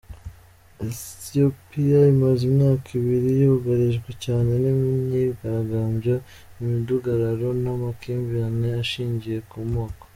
Ethiopia imaze imyaka ibiri yugarijwe cyane n’imyigaragambyo, imidugararo n’amakimbirane ashingiye ku moko.